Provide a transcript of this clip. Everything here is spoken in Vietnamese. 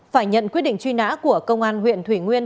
phải nhận quyết định truy nã của công an huyện thủy nguyên